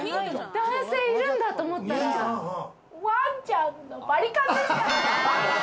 男性いるんだと思ったら、ワンちゃんのバリカンでした。